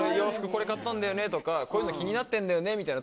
これ買ったんだよねとかこういうの気になってんだよねみたいな